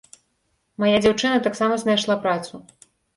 Мая дзяўчына таксама знайшла працу.